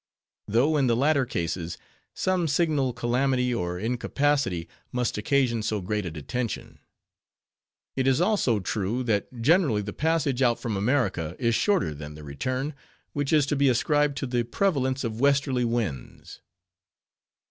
Though in the latter cases, some signal calamity or incapacity must occasion so great a detention. It is also true, that generally the passage out from America is shorter than the return; which is to be ascribed to the prevalence of westerly winds.